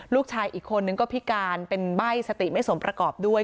ลูกชายอีกคนนึงก็พิการเป็นใบ้สติไม่สมประกอบด้วย